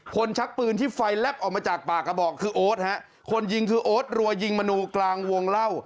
ชักปืนที่ไฟแลบออกมาจากปากกระบอกคือโอ๊ตฮะคนยิงคือโอ๊ตรัวยิงมนูกลางวงเล่า